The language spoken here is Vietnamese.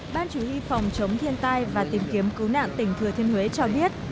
ban chủ y phòng chống thiên tai và tìm kiếm cứu nạn tỉnh thừa thiên huế cho biết